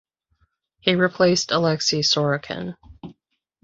He replaced Aleksei Sorokin.